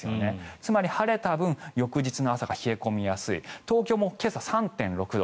つまり晴れた分翌日の朝が冷え込みやすい東京も今朝３．６度。